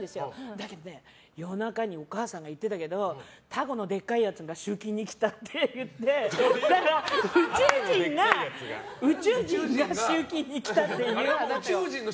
だけど夜中にお母さんが言ってたけどタコのでかいやつが集金に来たって言って宇宙人が集金に来たって。